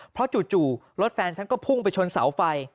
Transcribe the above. เพราะจู่รถแฟนฉันก็พุ่งไปชนเสาไฟ